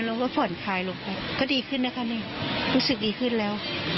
เราก็ผ่อนคลายลงไปก็ดีขึ้นนะคะนี่รู้สึกดีขึ้นแล้ว